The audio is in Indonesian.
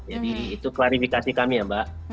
jadi itu klarifikasi kami ya mbak